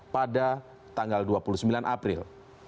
pada tanggal dua puluh sembilan april